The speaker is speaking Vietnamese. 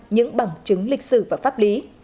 những bằng chứng lịch sử và pháp lý